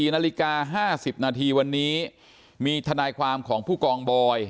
นาฬิกา๕๐นาทีวันนี้มีทนายความของผู้กองบอย